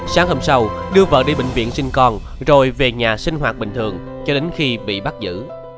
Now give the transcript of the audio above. sáng hôm sau đưa vợ đi bệnh viện sinh con rồi về nhà sinh hoạt bình thường cho đến khi bị bắt giữ